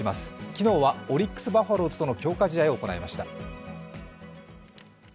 昨日はオリックス・バファローズとの強化試合を行いました。